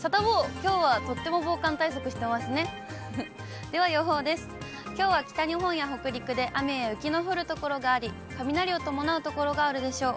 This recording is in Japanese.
きょうは北日本や北陸で雨や雪の降る所があり、雷を伴う所があるでしょう。